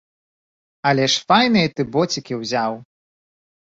Але ж файныя ты боцікі ўзяў!